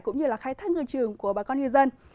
cũng như khai thác ngư trường của bà con dân